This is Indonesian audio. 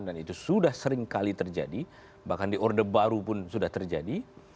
dan itu sudah seringkali terjadi bahkan di order baru pun sudah terjadi